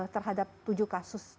terhadap tujuh kasus